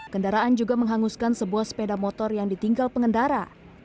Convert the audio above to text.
kendaraan juga menghanguskan sebuah sepeda motor yang ditinggal pengendara